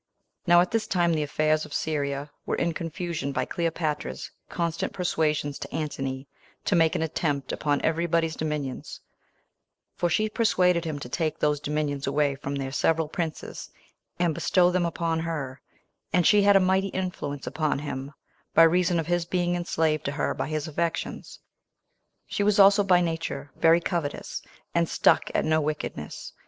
1. Now at this time the affairs of Syria were in confusion by Cleopatra's constant persuasions to Antony to make an attempt upon every body's dominions; for she persuaded him to take those dominions away from their several princes, and bestow them upon her; and she had a mighty influence upon him, by reason of his being enslaved to her by his affections. She was also by nature very covetous, and stuck at no wickedness.